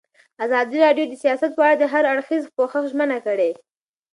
ازادي راډیو د سیاست په اړه د هر اړخیز پوښښ ژمنه کړې.